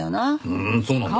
ふーんそうなんだ。